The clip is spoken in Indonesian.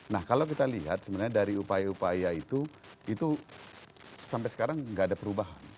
nah kalau kita lihat sebenarnya dari upaya upaya itu itu sampai sekarang nggak ada perubahan